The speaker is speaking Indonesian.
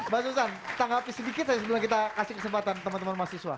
mbak susan tanggapi sedikit sebelum kita kasih kesempatan teman teman mahasiswa